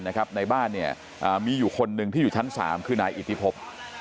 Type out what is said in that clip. ในบ้านมีอยู่คนหนึ่งที่อยู่ชั้น๓คือนายอิทธิพบ